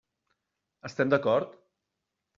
Estem d'acord?